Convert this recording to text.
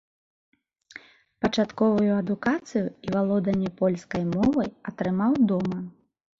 Пачатковую адукацыю і валоданне польскай мовай атрымаў дома.